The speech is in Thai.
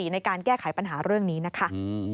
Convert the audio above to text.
ในการแก้ไขปัญหาเรื่องนี้นะคะ